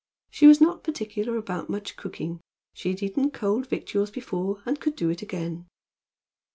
She was not particular about much cooking. She had eaten cold victuals before, and could do it again.